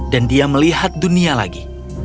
dan dia melihat dunia lagi